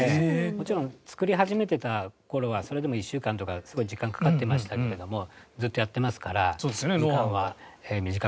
もちろん作り始めてた頃はそれでも１週間とかすごい時間かかってましたけれどもずっとやってますから時間は短くなってますね。